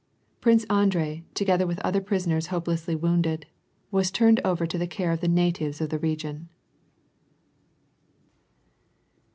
Prince Andrei, together with other prisoners hopelessly wounded, was turned over to the care of the natives of the region.